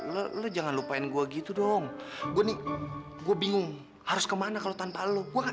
lo jangan lupain gue gitu dong gue nih gue bingung harus kemana kalau tanpa lo gue